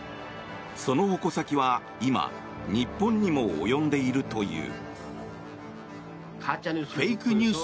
その矛先は今、日本にも及んでいるという。